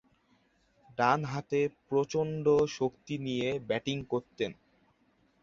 ডানহাতে প্রচণ্ড শক্তি নিয়ে ব্যাটিং করতেন।